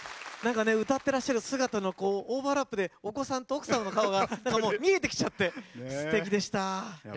歌ってらっしゃる姿のオーバーラップでお子さんと奥さんの顔が見えてきちゃってすてきでした。